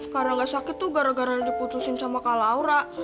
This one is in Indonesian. karangga sakit tuh gara gara diputusin sama kak laura